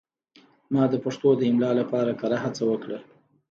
ما د پښتو د املا لپاره کره هڅه وکړه.